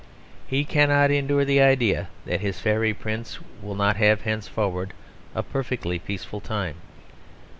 He cannot endure the idea that his fairy prince will not have henceforward a perfectly peaceful time.